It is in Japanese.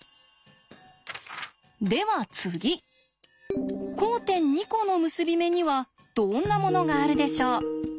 では次交点２コの結び目にはどんなものがあるでしょう？